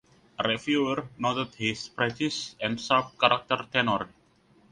A reviewer noted his precise and sharp character tenor.